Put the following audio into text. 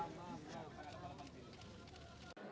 jokowi menurutnya rintangan justru ada di pihak demokrat